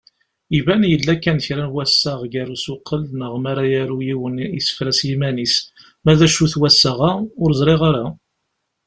Iban yella kan kra n wassaɣ gar usuqel neɣ mara yaru yiwen isefra s yiman-is, ma d acu-t wassaɣ-a, ur ẓriɣ ara.